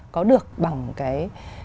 có được bằng cái